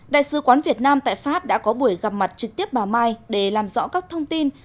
đại sứ quán việt nam tại pháp đã có buổi gặp mặt trực tiếp bà mai để làm rõ các thông tin